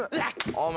お前。